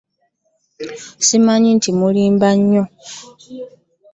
Samanya nti mulimba nnyo